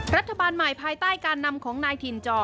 รัฐบาลใหม่ภายใต้การนำของนายถิ่นจอ